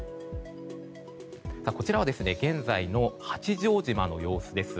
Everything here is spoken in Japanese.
こちらは現在の八丈島の様子です。